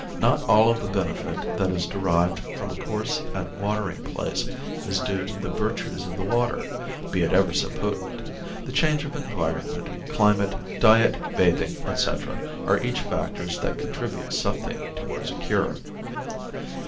Not all of the benefit that is derived from a course at watering place is due to the virtues of the water, be it ever so potent. The change of environment, climate, diet, bathing, etc., are each factors that contribute something towards a cure.